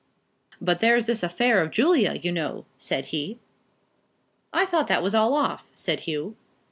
"But there's this affair of Julia, you know," said he. "I thought that was all off," said Hugh.